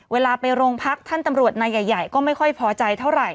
เวลาไปโรงพักท่านตำรวจนายใหญ่ก็ไม่ค่อยพอใจเท่าไหร่